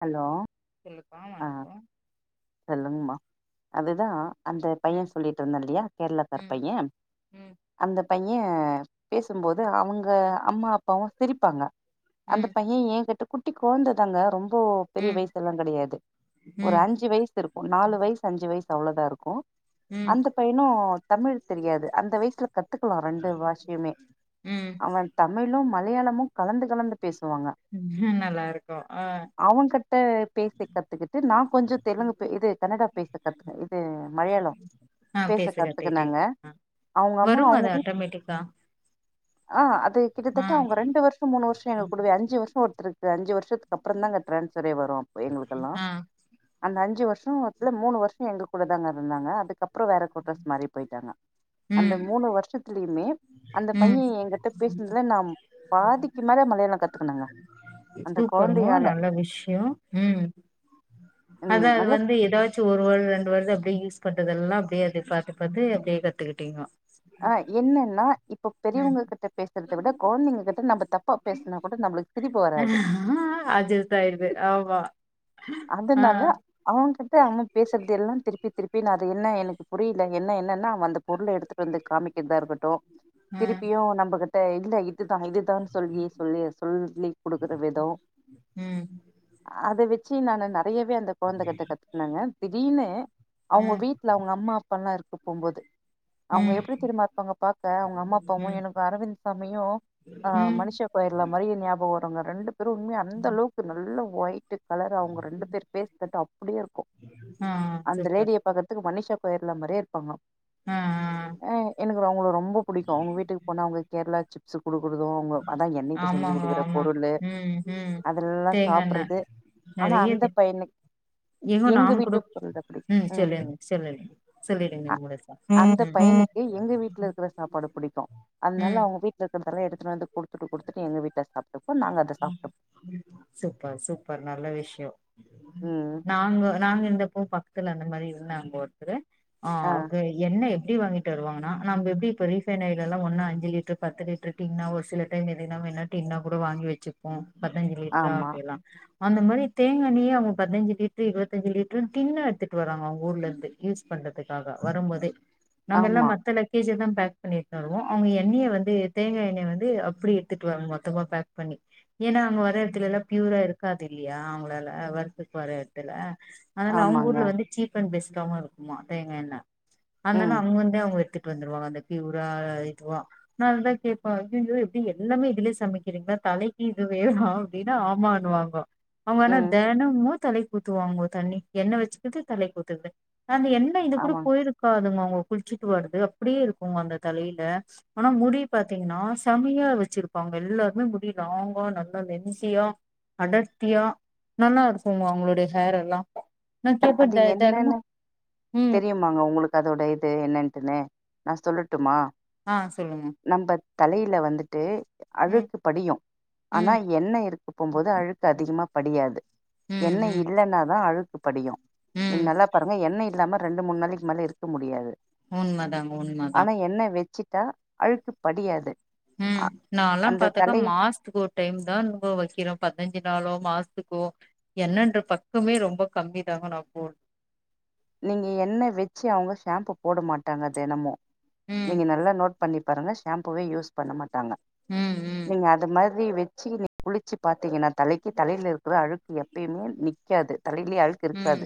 hello செல்லுக் அ சொல்லுங்மா அதுதா அந்த பைய ம் சொல்லிட்ருந்த இல்லியா கேரளத்தார் ம் பையெ ம் அந்த பையெ பேசும்போது ம் அவுங்க அம்மா அப்பாவு சிரிப்பாங்க அந்த ம் பையெ ஏ கிட்ட குட்டி குழந்ததாங்க ரொம்பொ பெரிய ம் வயசெல்லா கெடையாது ஒரு ம் அஞ்சு வயசு இருக்கு நாலு வெய்சு அஞ்சுவெய்சு அவ்ளோதா இருக்கூ அந்தக் பையனு தமிழ் தெரியாது அந்த வய்ஸ்ல கத்துக்கலா ரெண்டு வாஷ்யும்மே ம் அவெ தமிழு மலையாளமு கலந்து கலந்து பேசுவாங்க ம் நல்லா இருக்கோ ஆ அவகட்ட பேசிக்கத் கத்துக்கிட்டு நா கொஞ்சொ தெலுங்குப்பே இது கன்னடா பேச கத்துக்கே இது மலையாளொ அ பேச கத்துகிட்டிங்க அ அவங்க அம்மா வருமா அது ஆட்டோமேட்டிக்கா ஆஅது ஆ கிட்டத்தட்ட அவுங்க ரெண்டு வர்ஷொம் மூணு வர்ஷொ எங்க குடுவே அஞ்சு வர்ஷொ ஒருத்தருக்கு அஞ்சு வருஷத்துக்கப்புற தாங்க ட்ரான்சரே வரு ஒ எங்களுகெல்லா ஆ அந்த அஞ்சு வர்ஷொம்த்துல மூணு வர்ஷ எங்க கூட தாங்க இருந்தாங்க அதுக்கப்ற வேற கோட்ரஸ் மாறி போயிட்டாங்க அந்த ம் மூணு வர்ஷத்துலியுமே அந்த ம் பைய எங்கட் ட பேஸ்னதுல நாம் பாதிக்கு மேல மலையாள கத்துக்குன்னங்க சூப்பருங்க நல்ல விஷ்யொ ம் ம் அதா அது நல்லா வந்து எதாச் ச்சு ஒரு வரு ரெண்டு வருது அப்டே யூஸ் பண்றதெல்லா அப்டே அதது பாத்து பாத்து அப்டே கத்துக்கிட்டீங்கோ அ என்னன்னா இப்ப ம் பெரியவுங்க கிட்ட பேசற்த விட கொழந்தைங்க கிட்ட நம்ப தப்பா பேஸ்னா கொட நம்ளுக் அதுஇத்தா ஆயிடுது ஆம்மா அதுனால அவுங்கிட்ட அவுங்க பேசற்து எல்லா திருப்பி திருப்பி நா அது என்ன எனக்கு புரியில என்ன என்னன்ன அவந்துப் பொருள எடுத்துட்டு வந்து காமிக்கட்தா இருக்கட்டு ம் திருப்பியு நம்பகிட்ட இல்ல இதுதா இதுதான் சொல்லி சொல்லி சொல்லி குடுக்கற விதொ ம் அது வெ ச்சு நானு நறையவே அந்த கொழந்தக் கிட்ட கத்துக்னங்க திடீர்னு அவுங்க ம் வீட் ல அவுங்க அம்மா அப்பால்லா இருக்கப் போம்போது அவுங்க ம் எப்புடி தெரிமா இருப்பாங்க பாக்க அவுங்க அம்மா அப்பாவு ம் எனக்கு அரவிந்த் சாமியு ஆ ம் மனிஷா கோயர்லா மாரியே ஞாபக வருங்க ரெண்டு பேரு உண்மையா அந்த அளவுக்கு நல்ல ஒயிட்டு கலர் அவ்ங்க ரெண்டு பேர் ஃபேஸ் கட்டு அப்டியே இருக்கு ஆ அந்த சூப்பர் லேடிய பக்கற் த்துக்கு மனிஷா கோயர்லா மாரியே இருப்பாங்க ஆ ஆ அ எனக்கு அவ்ங்கள ரொம்ப புடிக்கு அவ்ங்க வீட்டுக்கு போனா அவ்ங்க கேர்ளா சிப் ஸு குடுக்குறது அவ்ங்க அதா என்னைட்ட செஞ்சு ஆமாங்க குடுக்குற ஆமா பொருளு ம் ம் அதுலெல்லா தேங்காண்ண சாப்புட்றது ஆனா அந்த பையனுக் ஏங்கோ நாங்கூட ம் சொல்லிற்ங் சொல்லிற்ங்க சொல்லிடுங்க அ நீங்க முழு அந்த பையனுக்கு எங்க வீட்ல இருக்கிற சாப்பாடு புடிக்கு அதனால ம் அவ்ங்க வீட் எத்தன் தடவ எடுத்துட்டு வந்து குடுத்துட்டு குடுத்துட்டு எங்க வீட்ல சாப்ட்டுப்போ நாங்க அத சாப்ட்டுப் சூப்பர் சூப்பர் நல்ல விஷ்யோ ம் நாங்க நாங்க இந்த போ பாக் குனு அந்த மாரி இருந்தாங்க ஒருத்தரு ஆ ஓகே எண்ணே எப்டி வாங்கிட்டு வருவாங்கனா நம்ப எப்டி ரீபைன் ஆயிலெல்லா ஒன்னு அஞ்சு லிட்ரு பத்து லிட் ரு டின்னா ஒரு சில டைம் எதுனா வேணா டின்னா கூட வாங்கி வெச்சுப்போ பதினஞ்சு லிட்ரா ஆமா அப்டியெல்லா அந்த மாரி தேங்காண்ணெயே அவுங்க பதினஞ்சு லிட்ரு இருவத்தஞ்சு லிட்ருன் டின்னா எடுத்துட்டு வர்றாங்க அவ்ங்க ஊர்லருந்து யூஸ் பண்றதுக்காக வரும்போதே [unintelligible] நம்மெல்லா மத்த லக் கேஜ தா பேக் பண்ணி எட்ணு வருவோ அவ்ங்க எண்ணெய வந்து தேங்கா எண்ணெய வந்து அப்டி எடுத்துட்டு வருவாங் மொத்தமா பேக் பண்ணி ஏனா அவ்ங்க வர்ற எடத்துலலா பியூரா இருக்காது இல்லையா அவ்ங்களால வொர்க்குக்கு வர எடத்துல அதனால அவ்ங்க ஆமாங்க ஊர்ல வந்து சீப் அண்ட் பெஸ்ட்டாவு இருக்குமா தேங்கா எண்ணெ அதனால ம் அங்க வந்தே அவ்ங்க எட்த்து ட்டு வந்துருவாங்க அந்த ப்யூரா இதுவா நா அதுதா கேப்பே ஐயயோ எப்டி எல்லாமே இதுலே சமைக்கிறீங்க தலைக்கு இதுவேதா அப்டினா ஆமானுவாங்க அவ்ங்க ஆனா ம் தெனமு தலைக்கு ஊத்துவாங்கோ தண்ணி எண்ணெ வச்சுக்கிட்டு தலைக்கு ஊத்துறது அந்த எண்ணெ இது கூட ஆமாங்க போயிருக் க்காதுங்க அவ்ங்க குளிச்சுட்டு வரது அப்டியே இருக்குங்க அந்த தலையில ஆனா முடி பாத்தீங்கனா செமையா வெச்சிருப்பாங்க எல்லாருக்குமே முடி லாங்கா நல்லா லென்தியா அடர்த்தியா நல்லா இருக்குங்க அவுங்களுடைய ஹேர் எல்லா நா கேப்பே தெ தெனமு ம் நாங்க உங்களுக்கு அதோட இது என்னட்டுன்னு நா சொல்லட்டுமா ஆ சொல்லுங்க நம்ப தலையில வந்துட்டு ம் அழுக்கு படியு ம் ஆனா எண்ணெ இருக் கும்போது அழுக்கு அதிகமா படியாது ம் எண்ணெ ம் இல்லனா தா அழுக்கு படியு நீங்க ம் நல்லா பாருங்க எண்ணெ இல்லாம ரெண்டு மூணு நாளைக்கு மேலே இருக்க முடியாது உண்மதாங்க உண்மதா ஆனா என்ன வெச்சிட்டா அழுக்கு படியாது அ ம் நால்லா அந்த பாத்துக்க தலை மாசத்துக்கு ஒரு டைம் தா நம்ப வெக்கிறோ பதினஞ்சு நாளோ மாசத்துக்கோ எண்ணென்ற பக்கமே ரொம்ப கம்மி தாங்க நா போல் நீங்க எண்ணெ வெச்சு அவ்ங்க ஷாம்பு போட மாட்டாங்க தெனமு ம் நீங்க நல்லா நோட் பண்ணி பாருங்க ஷாம்புவே யூஸ் பண்ண மாட்டாங்க ம் ம் நீங்க அது மாரி வெச்சி நீங்க குளிச்சி பாத்தீங்கனா தலைக்கி தலையில இருக்குற அழுக்கு எப்பயுமே நிக்காது தலையிலே அழுக் கு இருக்காது ம்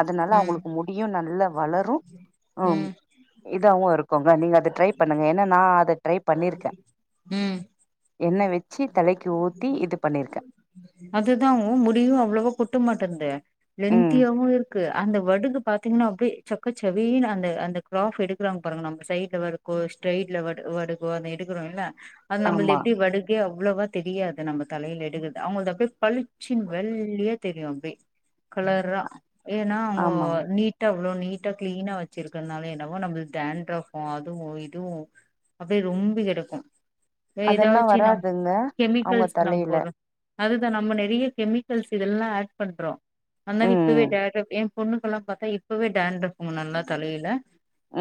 அதனால ம் அவ்ங்களுக்கு முடியு நல்லா வளரு ஆம் ம் இதாவு இருக்குங்க நீங்க அத ட்ரை பண்ணுங்க ஏனா நா அத ட்ரை பண்ணிருக்கே ம் எண்ணெ வெச்சி தலைக்கு ஊத்தி இது பண்ணிருக்கே அதுதா ஒ முடியு அவ்ளவா கொட்ட மாட்டின்தே ம் லென்தியாவு இருக் க்கு அந்த வடுகு பாத்தீங்னா அப்டியே செக்கசெவேல்னு அந்த அந்த கிராப் எடுக்கிறாங்க பாருங்க நம்ம சைட்ல வர ஒ ஸ்ரெயிட்ல வடு வடுகு ஒன்னு எடுக்குறோல்ல அது நம்புல்து ஆமா எப்டி வடுகே அவ்ளவா தெரியாது நம்ம தலையில எடுக்கறது அவுங்கள்து அப் அப்டியே பளிச்சினு வெள்ளியா தெரியு அப்டே கலரா ஏன்னா அவுங்கோ ஆமாங்க நீட் டா அவ்ளோ நீட்டா கிளீனா வெச்சிருக்கறதுனாலயோ என்னவோ நம்மளுக்கு டாண்ரஃப் அதுவு இதுவு அப்டியே ரொம்பி கெடக்கோ அதெல்லா ஏதாச்சு நம்ம வராதுங்க அவங்க கெமிக்கல்ஸ் நம்ம தலையில போட்றோ அதுதா நம்ம நெறைய கெமிக்கல்ஸ் இதெல்லா ஆட் பண்றோ அத்னால இப்பவே ம் டாண்ரஃப் எயே பொண்ணுக்கெல்லா பாத்தா இப்பவே டாண்ரஃப் முன்னெல்லா தலையில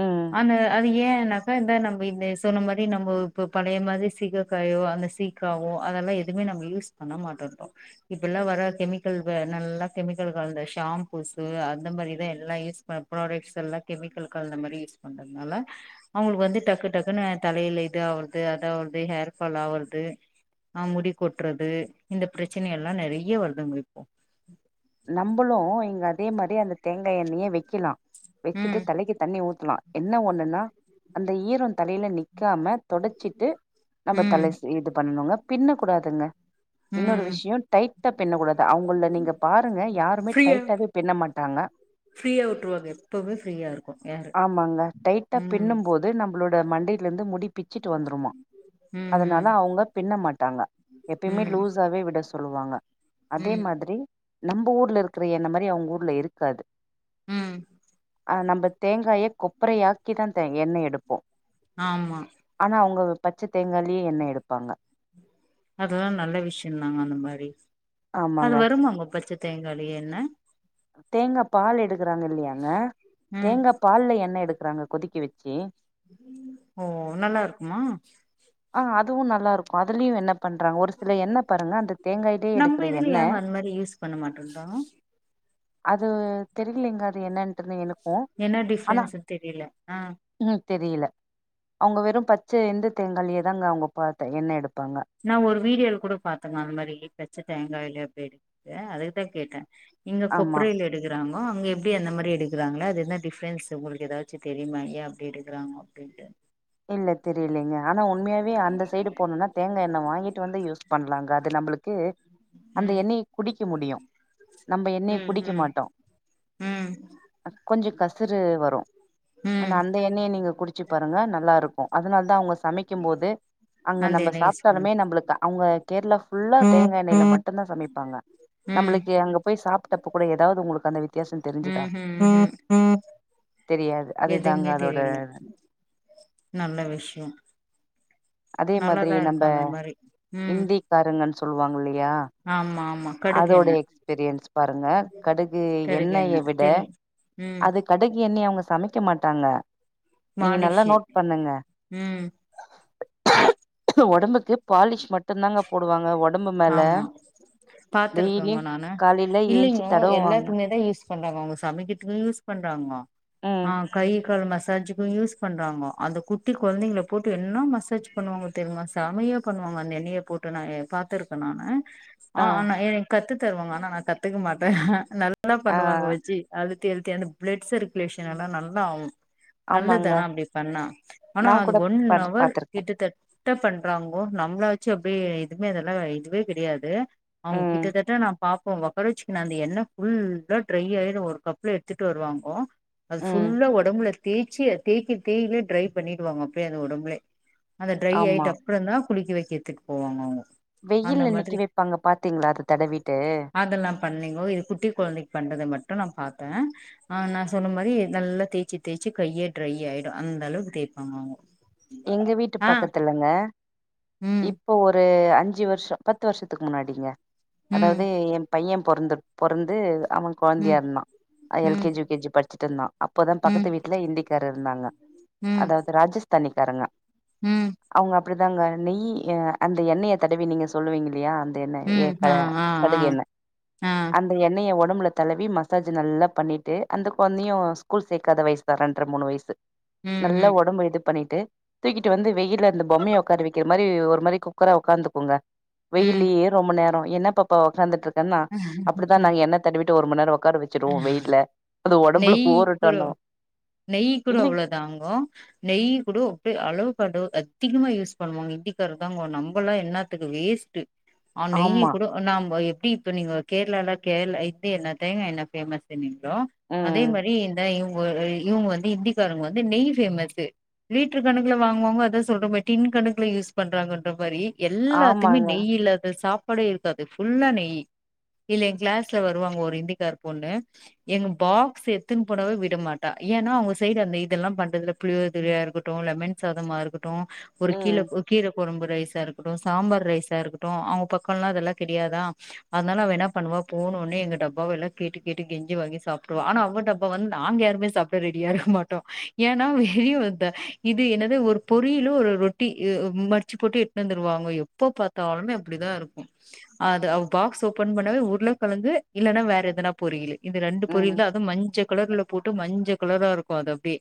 ம் அந்த அது ஏ இன்னாக்கா இந்த நம்ம இந்த சொன்ன மாரி நம்ம இப்போ பழைய மாரி சீயக்கா கயோ அந்த சிக் க்காவோ அதெல்லா எதுவுமே நம்ம யூஸ் பண்ண மாட்டோ இன்டோ இப்பல்லா வர கெமிக்கல் நல்லா கெமிக்கல் கலந்த ஷாம்பூஸ்சு அந்த மாரிதா எல்லா யூஸ் பர் ப்ராடக்ட்ஸ் எல்லா கெமிக்கல் களந்தா மாரி யூஸ் பண்றதுனால அவுங்களுக்கு வந்து டக்கு டக்குன்னு தலையில இது ஆவரது அது ஆவரது ஹேர் ஃபால் ஆவறது ஆ முடி கொட்றது இந்த பிரச்சன எல்லா நெறைய வருதுங்க இப்போ நம்பளு இங்க அதே மாரி அந்த தேங்கா எண்ணைய வெக்கலா வெச்சிட்டு ம் தலைக்கு தண்ணி ஊத்தலா என்ன ஒன்னுன்னா அந்த ஈரோ தலையில நிக்காம தொடச்சிட்டு நம்ம ம் தலைசீ இது பண்ணணுங்க பின்ன கூடாதுங்க இன்னொரு ம் விஷயோ டைட் டைட்டா பின்னக்கூடாது அவுங்கல நீங்க பாருங்க யாருமே ஃப்ரீயா டைட்டாவே பிண்ண மாட்டாங்க ஃப்ரீயா விட்ருவாங்க எப்பவுமே ஃப்ரீயா இருக்கு ஹேரு ஆமாங்க டைட்டா பின்னும் போது நம்மளோட மண்டையிலில இருந்து முடி பிச்சுட்டு வந்துருமா ம் அதனால ம் அவுங்க பின்ன மாட்டாங்க எப்பயுமே ம் லூஸாவே விட சொல்லு சொல்லு வாங்க அதே ம் மாதிரி நம்ம ஊர்ல இருக்குற எண்ணெய் மாரி அவுங்க ஊர்ல இருக்காது ம் அ நம்ம தேங்காய கொப்பரையாக்கி தா எண்ணைய எடுப்போ ஆமா ஆனா அவுங்க பச்ச தேங்காலையே எண்ண எடுப்பாங்க அதுதா நல்ல விஷியோ தாங்க அந்த மாரி அது ஆமாங்க வருமாங்க பச்ச தேங்காயிலையே எண்ண தேங்கா பால் எடுக்கறாங்க இல்லையாங்க ம் தேங்கா பால்ல எண்ணெய எடுக்கறாங்க கொதிக்கி வெச்சி ஓ நல்லா இருக்குமா ஆ அதுவு நல்லா இருக்கு அதுலயு எண்ண பண்றாங்க ஒரு சில எண்ண பாருங்க அந்த தேங்காய்லேயே நம்ம எடுக்குற இதுல எண்ண ஏங்க அந்த மாரி யூஸ் பண்ண மாட்டேன்றோ அது தெரிலைங்க அது என்ன இன்டுன்னு எனக்கோ என்ன டிஃப்ரென்ஸ்ன்னு தெரியல ஆ ம் தெரியல அவுங்க வெறு பச்ச இந்த தேங்காயிலையே தாங்க அவுங்க பார்த்த எண்ணெ எடுப்பாங்க நா ஒரு வீடியோல கூட பாத்தங்க அந்த மாரி பச்ச தேங்காய்ல எப்டி எடுக்கறது அதுக்கு தா கேட்ட இங்க ஆமா கொப்ரையில எடுக் எடுக்குறாங்கோ அங்க எப்டி அந்த மாரி எடுக்கறாங்க அது என்ன ஃடிப்ரென்ஸ் உங்களுக்கு ஏதாச்சி தெரியுங்களாங்க எயே அப்டி எடுக்குறாங்கோ அப்டின்டு இல்ல தெரிலைங்க ஆனா ஒன் உண்மையாவே அந்த சைடு போனோன்னா தேங்கா எண்ணெய வாங்கிட்டு வந்து யூஸ் பண்லாங்க அது நம்மளுக்கு அந்த ம் எண்ணெய குடிக்க முடியு நம்ம எண்ணெய ம் குடிக்க ம் மாட்டோ ம் கொஞ்சோ கசுறு வரு ஆனா ம் அந் அந்த எண்ணெய நீங்க குடிச்சு பாருங்க நல்லா கருக்கும் அதுனால தா அவூங்க சமைக்கும்போது அங்க அந்த நம்ம எண்ணெ யூஸ் பண்ணு சாப்டாலுமே நம்மளுக்கு அவுங்க கேரளா ஃபுல்லா தேங்கா எண்ணெயில மட்டு தா சமைப்பாங்க ம் நம்பளுக்கி அங்க போய் சாப்டப்ப கூட எதாவது உங்களுக்கு அந்த வித்தியாசோ தெரிஞ்சிதா ம் ம் ம் தெரியாது அதுதாங்க எதுவுமே அதோட தெரியல நல்ல விஷ்யோ அதே நல்லாதா இருக்கு அத மரி ம் காருங்கன் சொல்வாங்க இல்லுயா ஆம் ஆமா கடுகு அதோட எண்ணெ எக்ஸ்பீரியன்ஸ் பாருங்க கடுகு கடுகு எண்ணெ எண்ணய விட தெரியு ம் அதுக் கடுகு எண்ய அவுங்க சமைக்க மாட்டாங்க நீங்க நல்லா மாலிஷு நோட் பண்ணுங்க ம் ஒடம்புக்கு பாலிஷ் மட்டுந்தாங்க போடுவாங்க ஒடம்பு மேல டெய்லியு பாத்துருக்கோங்க நானு காலையில ஏஞ்சி இல்லிங்கோ தடவுவாங்க எல்லாத்துக்மேதா யூஸ் பண்றாங்க அவுங்க சமக்கித் யூஸ் பண்றாங்கோ ம் ஆ கை கல் மசாஜுக்கு யூஸ் பண்றாங்கோ அந்த குட்டி கொழ்ந்தைங்ள போட்டு என்னா மசாஜ் பண்ணுவாங்க தெர்மா சமையா பண்ணுவாங்க அந்த எண்ணய போட்டு நா ஏ பாத்துருக்க நானு ஆ ஆ ந ஏ கத்து தருவாங்க அனா நா கத்துக்க மாட்ட நல்லா ஆ பண்ணுவாங்க வஜ்ஜி அது தி எல்த்தியான ப்ளட் செர்க்குலேஷன் எல்லா நல்லா ஆவு நல்லது ஆமாங்க ஆனா அப்டி பண்ணா ஆனா நா அது கூட ஒன் பாத் அவர் பாத்திருக்கே கிட்டத்தட் ட்ட பண்றாங்கோ நம்ப்ள வச்சு அப்டே இதுமே அதல்லா இதுவே பெரியாது அவுங் ம் கிட்டத்தட்ட நா பாப்போம் ஒக்கர வச்சுக்குனு அந்த எண்ண ஃபுல்லா ட்ரை ஆயிரு ஒரு கப்ல எட்துட்டு வருவாங்கோ அது ம் ஃபுல்லா ஒடம்புல தேய்ச்சி அத தேய்க்க தேயிலே ட்ரை பண்ணிடுவாங்க அப்டியே அந்த ஒடம்புலே அந்த ட்ரை ஆமா ஆயிட்டு அப்றந்தா குளிக்க வெக்கிர்துக் போவாங்கவு வெய்யில்ல நிக்கி வெப்பாங்க பாத்தீங்ளா அத தடவிட்டு அதெல்லா பண்ணீங்கோ இது குட்டி கொழ்ந்தைக்கு பண்றத மட்டு நா பாத்த ஆ நா சொன்ன மாரி நல்லா தேச்சு தேச்சு கையே ட்ரை ஆயிடு அந்தளவுக் தேய்ப்பாங்கோ அவ்ங்கோ எங்க வீட்டு பக்கத்துலங்க ம் இப்போ ஒரு அஞ்சு வர்ஷோ பத்து வர்ஷத்துக்கு முன்னாடிங்க ம் அதாவ்து ஏ பைய பொற்ந்து பொறந்து அவ ம் கொழ்ந்தியா இருந்தா அ ம் எல்கேஜி யூகேஜி பட்ச்சுட்ந்தா அப்போதா ம் பக்கத்து வீட்ல இந்திக்கார இருந்தாங்க ம் அதாவ்து ராஜஸ்தானிக்காரங்க ம் அவுங்க அப்டிதாங்க நெய் ய அந்த எண்ணய தடவி நீங்க சொல்லுவீங்க இல்லயா அந் ந் என்ன ஏ ம் க ஆ ஆ ஆ கடுகு எண்ண ஆ அந் எண்ணய ஒடம்புல தலவி மசாஜி நல்லா பண்ணிட்டு அந்த கொழ்ந்தியு ஸ்கூல் சேக்காத வய்ஸ் ரெண்ர மூணு வய்சு ம் நல்லா ம் ஒடம்பு இது பண்ணிட்டு தூக்கிட்டு வந்து வெய்யில்ல இந்த பொம்மய உக்கார வக்கிற மரி ஒரு மாரி குக்கரா உக்காந்துக்குங்க ம் வெய்யில்லயே ரொம்ப நேரோ என்ன பாப்பா ஒக்காந்துட்ருக்கன்னா அப்டுதா நாங் எண்ண தடுவிட்டு ஒரு மண் நேர ஒக்காரவே சிருவோ வெயில்ல அது ஒடம்புல நெய் ஊரட்டணு இல்லிங் தாங்கோ நெய் கூட உட்டு அளவு கடு அதிக்மா யூஸ் பண்ணுவாங்க இந்திக்கார தாங்கோ நம்பலா என்னாத் துக்கு வேஸ்ட்டு ஆ நெய்யி ஆமா கூட நாம்ப எப்டி இப்ப நீங்க கேர்ளால கேர்ள இத்தி எண்ண தேங்கா எண்ண ஃபேமஸ் இன்னின்றோ அதே ம் மரி இந்த இவ்ங் ஒரு இவ்ங் வந் தி இந்திக்காரவ்ங் வந்து நெய் ஃபேமஸு லீ்ட்ரு கணக்குல வாங்குவாங்க அதா சொல்றமே டின் கணக்குல யூஸ் பண்றாங்கன்ற மாரி எல்லாத்துக்மே ஆமாங்க நெய்யில்லாத சாப் படே இருக்காது ஃபுல்லா நெய்யி இல்ல ஏ க்ளேஸ்ல வருவாங்க ஒரு இந்திக்கார் பொண்ணு எங்க பாக்ஸ் எத்துன் போனாவே விட மாட்டா ஏன்னா அவுங்க சைடு அந்த இதெல்லா பண்றதுல புளியோதரயா இருக்குட்டு லெமன் சாதமா இருக்குட்டு ஒரு கீழ ம் ஒ கீரக்கொழம்பு ரைஸா இருக்கட்டு சாம்பார் ரைஸா இருக்கட்டு அவுங்க பக்கோலா அதல்லா கடையாதா அதனால அவ என்ன பண்ணுவா போனோனே எங்க டப்பாவ எல்லா கேட்டு கேட்டு கெஞ்சி வாங்கி சாப்டுவா ஆனா அவ டப்பா வந்து நாங்க யாருமே சாப்ட ரெடியா இருக்க மாட்டோ ஏனா வெளிய ஒர்த்த இது என்னது ஒரு பொரியிலு ஒரு ரொட்டி இ மடிச்சு போட்டு தந்துருவாங்க எப்ப பாத்தாலுமே அப்டிதா இருக்கு அது அவ பாக்ஸ் ஓபன் பண்ணவே உருள கெழங்கு இல்லன்னா வேற எ எதனா பொரியலு இந்த ரெண்டு ம் பொரியல்தா அது மஞ்ச கலர்ல போட்டு மஞ்ச கலரா இருக்கு அது அப்டே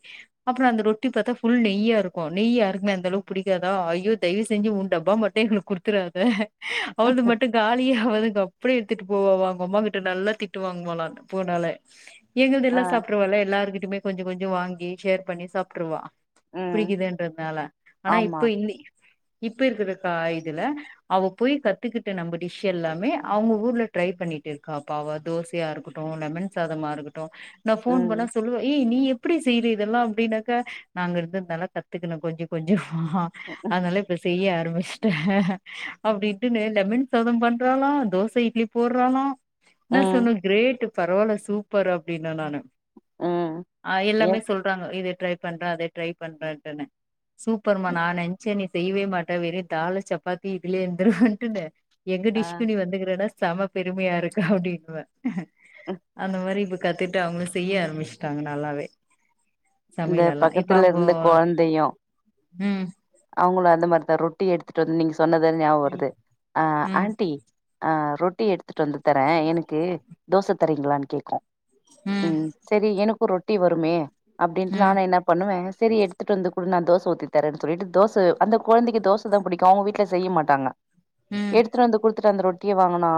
அப்புறோ அந்த ரொட்டி பாத்தா ஃபுல் நெய்யா இருக்கு நெய் யாருக்குமே அந்தளவுக்கு புடிக்காதா ஐயோ தயவு செஞ்சு உடப்பா மட்டு எங்களுக் குடுத்துறுவா அத அவள்து மட்டு காலியே ஆவதுங்க அப்டியே எடுத்துட்டு போவா அவ அவங்க அம்மா கிட்ட நல்லா திட் திட்டு வாங்குவாலா போனாலே எங்கள்து ஆ எல்லா சாப்டுருவாலே எல்லாருகிட்டியுமே கொஞ்ச கொஞ்ச வாங்கி ஷேர் பண்ணி சாப்ட்டுருவா ம் புடிக்குதுன்றதுனால ஆனா ஆமா இப்ப இன்னி இப்ப இருக்குற கா இதுல அவ போய் கத்துக்கிட்டு நம்ப டிஷ் எல்லாமே அவ்ங்க ஊர்ல ட்ரை பண்ணிட்டு இருக் காப்பா அவ தோ சையா இருக்கட்டு லெமன் சாதமா இருக்கட்டு நா ஃபோன் பண்ணா ம் சொல்லுவே ஏ நீ எ எப்டி செய்து இதெல்லா அப்டின்னாக்கா நாங்க இருந்துந்தால கத்துக்குணொ கொஞ்ச கொஞ்ச ஆனா அதனால இப்ப செய்ய ஆரம்பிச்சுட்டே அப்டின்ட்டுனு லெமன் சாதம் பண்றாலா தோச இட்லி போர்றாலா நா ம் சொன்ன கிரேட்டு பரவால்ல சூப்பர் அப்டின்ன நானு ம் ஆ எல்லாமே எ சொல்றாங்க இத ட்ரை பண்றன் அதேய் ட்ரை பண்றேன்ட்டுனு சூப்பர்மா நா நென்ச்சன் நீ செய்யவே மாட்ட வெறும் தாலு சப்பாத்தி இதுலயே இருந்துருரவன்ட்டுனு எங்க டிஷ்க்கு ஆ நீ வந்துக்கிறேன்னா செம பெருமையா இருக்கு அப்டின்னுவன் அந்த மாரி கத்துட்டு அவங்களு செய்ய ஆரம்பிச்சுட்டாங்க நல்லாவே இந்த சமையல் எல்லா இப்ப பக்கத்துல அங்கோ இருந்த ம் அவ்ங்களு அந்த மாரிதா ரொட்டி எடுத்துட்டு வந்து நீங்க சொன்னது ஞாபகொ வருது ஆ ம் ஆண்ட்டி ஆ ரொட்டி எடுத்துட்டு வந்து தரே எனக்கு தோச தரீங்களான் கேக்கு ம் செரி எனக்கு ரொட்டி வருமே அப்டின்ட்டு ம் நானும் என்ன பண்ணுவேன் செரி எடுத்துட்டு வந்து குடு நா தோ ஊத்தித் தரேன்னு சொல்லிட்டு தோச அந்த கொழந்தைக்கு தோச தா புடிக்கு அவ்ங்க வீட்ல செய்ய மாட்டாங்க ம் எடுத்துட்டு வந்து குடுத்துட்டு அந்த ரொட்டிய வாங்குனா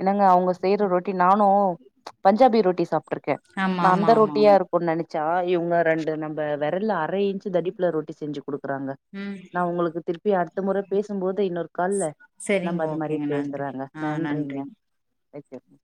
என்னங்க அவங்க செய்ற ரொட்டி நானும் பஞ்சாபி ரொட்டி சாப்பிட்டுருக்கேன் ஆமா நான் ஆமா அந்த ஆமா ரொட்டியா ஆமா இருக் குன்னு நெனைச்சா இவுங்க ரெண்டு நம்ப விரல்ல அர இன்ச்சு தடுப்புல ரொட்டி செஞ்சு குடுக்குறாங்க ம் நான் உங்களுக்கு திருப்பி அடுத்த முற பேசும் போது இன்னொரு கால்ல நம்ப சரிங்க அது மாரி ஓகேங்க நன்றி பேசுறாங்க ஆ நன்றிங்க வைக்கிறேன்